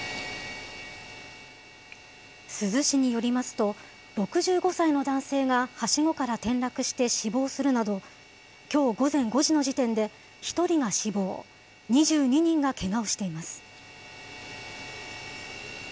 珠洲市によりますと、６５歳の男性がはしごから転落して死亡するなど、きょう午前５時の時点で１人が死亡、２２人がけがをしています。